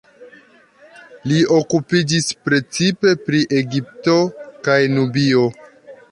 Li okupiĝis precipe pri Egipto kaj Nubio.